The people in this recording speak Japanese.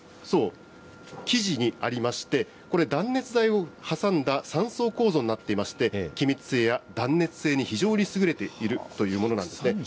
その秘密はこの生地にありまして、これ、断熱材を挟んだ３層構造になっていまして、気密性や断熱性に非常に優れているというものなんですね。